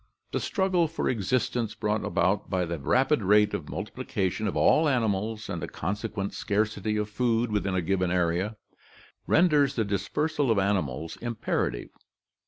— The struggle for existence brought about by the rapid rate of multiplication of all animals and the consequent scarcity of food within a given area renders the dispersal of animals imperative.